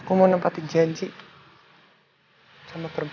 kamu tuh patah saya senyum